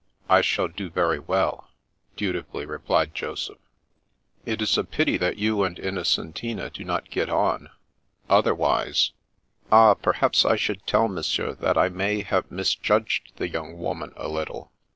I shall do very well," dutifully replied Joseph. " It is a pity that you and Innocentina do not get on. Otherwise "" Ah, perhaps I should tell monsieur that I may have misjudged the young woman a little.